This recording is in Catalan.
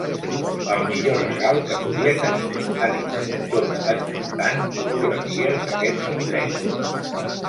El millor regal que podia tenir, ha dit, tot adjuntant fotografies d’aquests indrets.